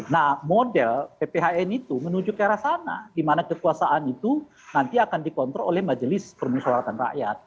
nah model pphn itu menuju ke arah sana di mana kekuasaan itu nanti akan dikontrol oleh majelis permusawaratan rakyat